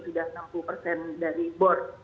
sudah enam puluh persen dari board